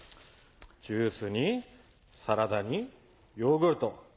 ジュースにサラダにヨーグルト。